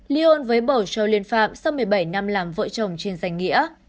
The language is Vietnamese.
bốn li hôn với bầu trâu liên phạm sau một mươi bảy năm làm vợ chồng trên giành nghĩa